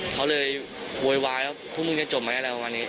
เขาเลยโวยวายแล้วพวกมึงจะจบไหมอะไรประมาณนี้